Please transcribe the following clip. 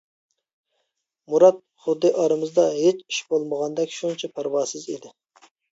مۇرات خۇددى ئارىمىزدا ھېچ ئىش بولمىغاندەك شۇنچە پەرۋاسىز ئىدى.